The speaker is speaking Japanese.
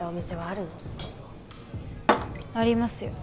ありますよ。